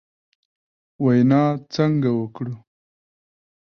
وینا څنګه وکړو ؟